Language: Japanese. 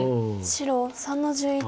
白３の十一。